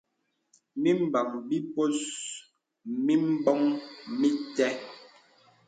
Mìmbəŋ bìpus mìmboŋ mìtə́.